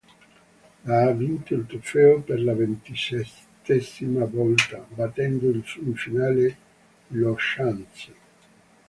L' ha vinto il trofeo per la ventisettesima volta, battendo in finale lo Xanthi.